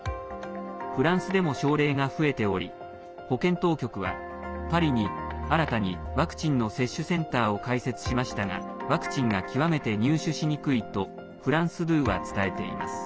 フランスでも症例が増えており保健当局は、パリに新たにワクチンの接種センターを開設しましたがワクチンが極めて入手しにくいとフランス２は伝えています。